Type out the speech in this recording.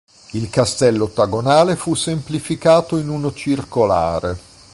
Il castello ottagonale fu semplificato in uno circolare.